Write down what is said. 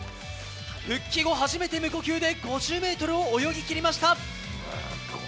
復帰後、初めて無呼吸で５０ｍを泳ぎ切りました。